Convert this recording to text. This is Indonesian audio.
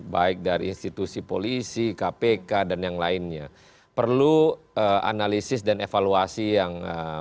baik dari institusi polisi kpk dan yang lainnya perlu analisis dan evaluasi yang